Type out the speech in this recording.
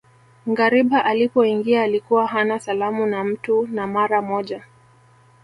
Ngariba alipoingia alikuwa hana salamu na mtu na mara moja